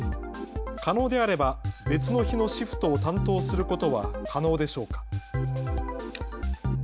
可能であれば別の日のシフトを担当することは可能でしょうか。